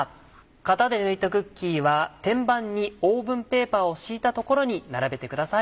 型で抜いたクッキーは天板にオーブンペーパーを敷いた所に並べてください。